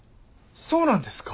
そうなんですか！？